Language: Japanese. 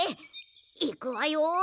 いくわよ。